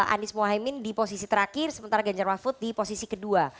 anies mohaimin di posisi terakhir sementara ganjar mahfud di posisi kedua